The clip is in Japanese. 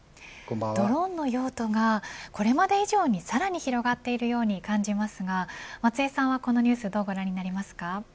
ドローンの用途がこれまで以上にさらに広がっているように感じますが松江さんはこのニュースどうご覧になりますか。